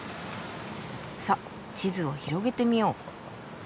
さっ地図を広げてみよう。